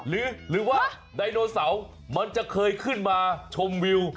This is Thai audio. หรือว่าไดโนเสาร์มันจะเคยขึ้นมาชมวิว